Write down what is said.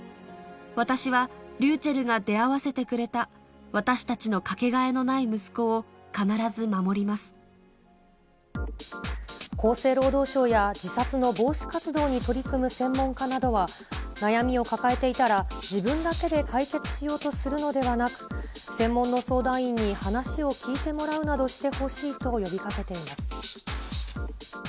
私は、りゅうちぇるが出会わせてくれた私たちのかけがえのない息子を必厚生労働省や自殺の防止活動に取り組む専門家などは、悩みを抱えていたら自分だけで解決しようとするのではなく、専門の相談員に話を聞いてもらうなどしてほしいと呼びかけています。